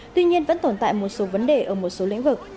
tuy nhiên vẫn tồn tại một số vấn đề ở một số lĩnh vực